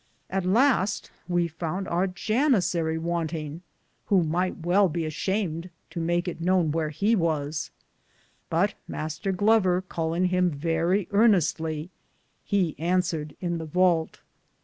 At laste we founde our janisarie want ing ; who myghte well be ashamed to make it knowne wheare he was ; but Mr. Glover callinge him verrie earnestly, he answered in the valte.